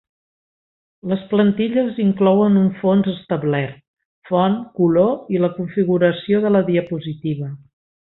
Les plantilles inclouen un fons establert, font, color i la configuració de la diapositiva.